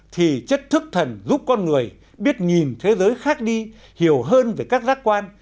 thì chất thức thần giúp con người biết nhìn thế giới khác đi hiểu hơn về các giác quan